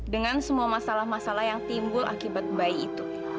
dengan semua masalah masalah yang timbul akibat bayi itu